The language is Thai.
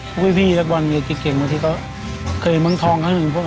พวกพี่แล้วบรรที่เก่งบางที่เคยบางครั้งอะไร